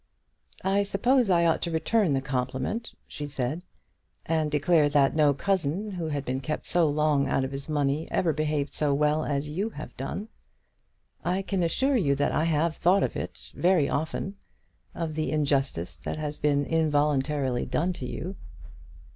"I suppose I ought to return the compliment," she said, "and declare that no cousin who had been kept so long out of his own money ever behaved so well as you have done. I can assure you that I have thought of it very often, of the injustice that has been involuntarily done to you."